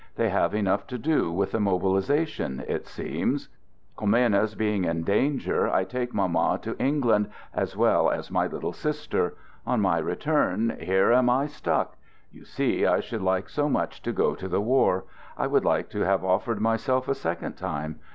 They have enough to do with the mobilization, it seems. Commines being in danger, I take Mamma to England, as well as my little sister. On my return, here am I stuck! — You see I should like so much to go to the war. I would like to have offered myself a second time.